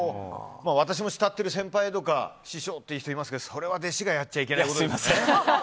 私も慕っている先輩とか師匠という人いますけどそれは弟子がやっちゃいけないことですよ。